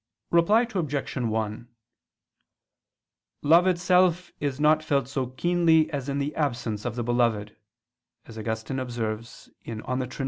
Reply Obj. 1: "Love itself is not felt so keenly as in the absence of the beloved," as Augustine observes (De Trin.